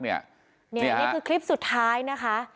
อันนี้คือคลิปสุดท้ายนะคะ